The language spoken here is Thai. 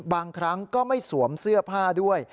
บางครั้งก็ไม่สวมเสื้อผ้าด้วย